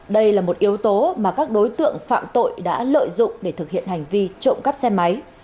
đây là một yếu tố mà các đối tượng phạm tội đã lợi dụng để thực hiện hành vi trộm cắp xe máy